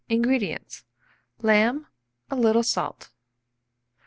INGREDIENTS. Lamb, a little salt.